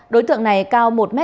đối tượng này cao một m sáu mươi năm